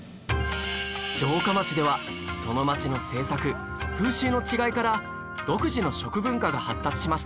城下町ではその町の政策風習の違いから独自の食文化が発達しました